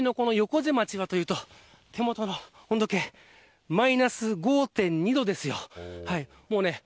そしてその隣の横瀬町はというと手元の温度計はマイナス５．２度です。